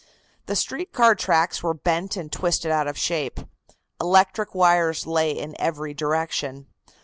The street car tracks were bent and twisted out of shape. Electric wires lay in every direction.